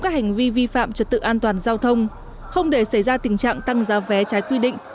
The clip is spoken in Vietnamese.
các hành vi vi phạm trật tự an toàn giao thông không để xảy ra tình trạng tăng giá vé trái quy định